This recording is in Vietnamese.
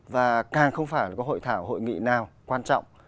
và càng không phải có hội thảo hội nghị nào quan trọng